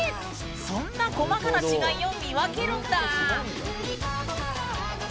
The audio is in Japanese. そんな細かな違いを見分けるんだ。